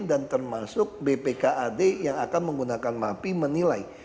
dan termasuk bpkad yang akan menggunakan mapi menilai